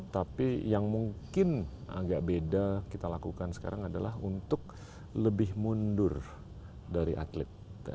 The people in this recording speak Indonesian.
tapi yang mungkin agak beda kita lakukan sekarang adalah untuk lebih mundur dari atlet